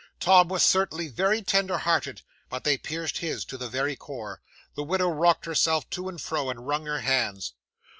Tom was certainly very tender hearted, but they pierced his, to the very core. The widow rocked herself to and fro, and wrung her hands.